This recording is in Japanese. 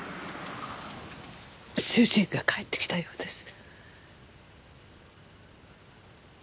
主人が帰ってきたようです。